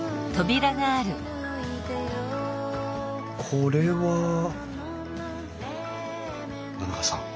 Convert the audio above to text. これは野中さん